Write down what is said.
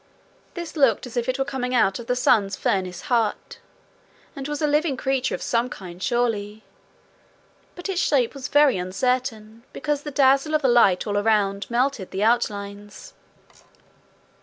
This looked as if it were coming out of the sun's furnace heart, and was a living creature of some kind surely; but its shape was very uncertain, because the dazzle of the light all around melted the outlines.